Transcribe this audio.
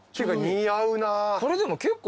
似合うな。